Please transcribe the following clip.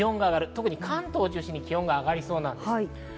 特に関東を中心に気温が上がりそうです。